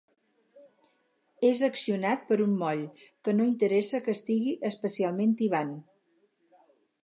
És accionat per un moll, que no interessa que estigui especialment tibant.